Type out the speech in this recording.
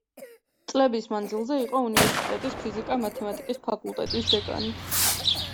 წლების მანძილზე იყო უნივერსიტეტის ფიზიკა-მათემატიკის ფაკულტეტის დეკანი.